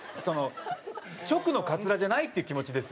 直のカツラじゃないっていう気持ちです